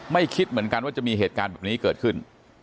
คิดเหมือนกันว่าจะมีเหตุการณ์แบบนี้เกิดขึ้น